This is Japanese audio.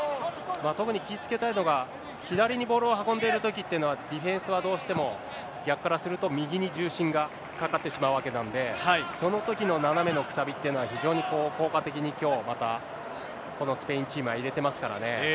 特に気をつけたいのが、左にボールを運んでいるときっていうのは、ディフェンスはどうしても、逆からすると、右に重心がかかってしまうわけなんで、そのときの斜めのくさびっていうのは、非常に効果的にきょう、またこのスペインチームは入れてますからね。